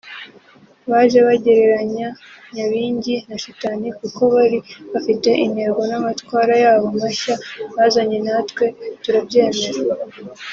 baje bagereranya Nyabingi na Shitani kuko bari bafite intego n’amatwara yabo mashya bazanye natwe turabyemera